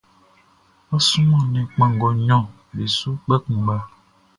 Ɔ suman nnɛn kpanngɔ nɲɔn be su kpɛ kunngba.